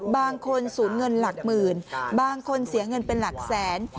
ศูนย์เงินหลักหมื่นบางคนเสียเงินเป็นหลักแสน